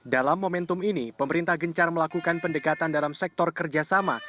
dalam momentum ini pemerintah gencar melakukan pendekatan dalam sektor kerjasama